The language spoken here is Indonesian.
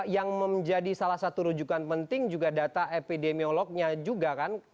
yang menjadi salah satu rujukan penting juga data epidemiolognya juga kan